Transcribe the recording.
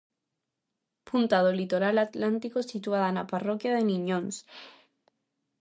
Punta do litoral atlántico situada na parroquia de Niñóns.